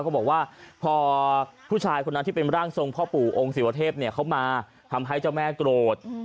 เขาบอกว่าพอผู้ชายคนนั้นที่เป็นร่างทรงพ่อปู่องค์ศิวเทพเนี่ยเขามาทำให้เจ้าแม่โกรธ